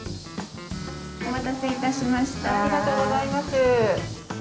お待たせしました。